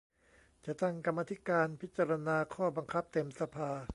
จะตั้งกรรมาธิการพิจารณาข้อบังคับเต็มสภา